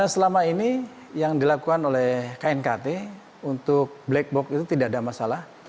selama ini yang dilakukan oleh knkt untuk black box itu tidak ada masalah